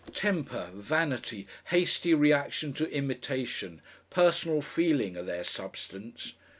Temper, vanity, hasty reaction to imitation, personal feeling, are their substance.